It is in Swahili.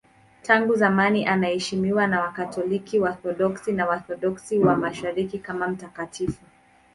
Tangu zamani anaheshimiwa na Wakatoliki, Waorthodoksi na Waorthodoksi wa Mashariki kama mtakatifu.